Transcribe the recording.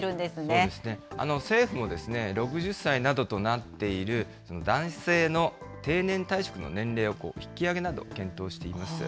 そうですね、政府も６０歳などとなっている男性の定年退職の年齢を引き上げなどを検討しています。